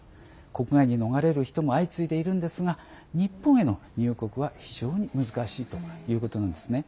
国外に逃れる人も相次いでいるんですが日本への入国は非常に難しいということなんですね。